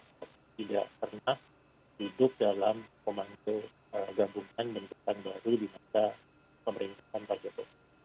tidak pernah duduk dalam komando gabungan dan depan baru di masa pemerintahan pak jokowi